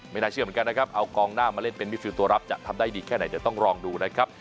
น่าเชื่อเหมือนกันนะครับเอากองหน้ามาเล่นเป็นมิฟิลตัวรับจะทำได้ดีแค่ไหนเดี๋ยวต้องลองดูนะครับ